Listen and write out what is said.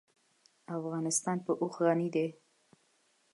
افغانستان په اوښ غني دی.